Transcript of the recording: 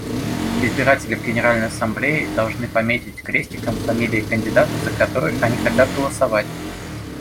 Избиратели в Генеральной Ассамблее должны пометить крестиком фамилии кандидатов, за которых они хотят голосовать.